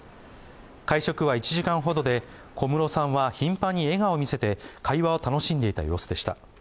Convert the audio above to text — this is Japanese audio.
会食は１時間ほどで、小室さんは頻繁に笑顔を見せて会話を楽しんでいた様子でした。